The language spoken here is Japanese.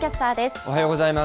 おはようございます。